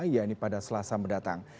ya ini pada selasa mendatang